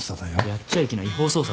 やっちゃいけない違法捜査でしょ。